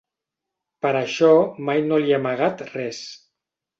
Per això mai no li he amagat res.